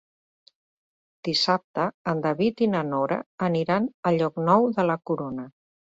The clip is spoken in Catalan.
Dissabte en David i na Nora aniran a Llocnou de la Corona.